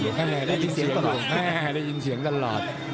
เยอะแรงได้ยินเสียงตลอด